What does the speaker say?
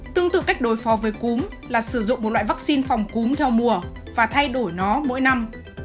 tương tự cách đối phó với cúm là sử dụng một loại vaccine phòng cúm theo mùa và thay đổi nó mỗi năm